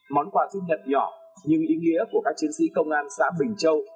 món quà sinh nhật nhỏ nhưng ý nghĩa của các chiến sĩ công an xã bình châu